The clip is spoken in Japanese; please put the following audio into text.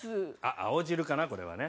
青汁かなこれはね。